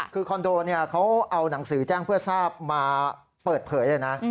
คือคอนโดเขาเอาหนังสือแจ้งเพื่อทราบมาเปิดเผยเลยนะ